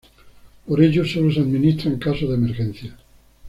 Por ello solo se administra en casos de emergencia.